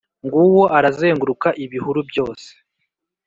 Nguwo arazenguruka ibihuru byose